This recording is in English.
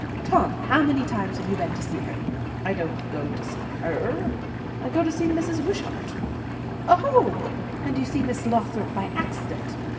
Tom, how many times have you been to see her?" "I don't go to see her; I go to see Mrs. Wishart." "Oh! and you see Miss Lothrop by accident!